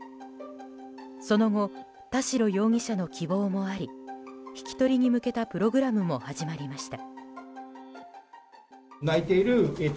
その後、田代容疑者の希望もあり引き取りに向けたプログラムも始まりました。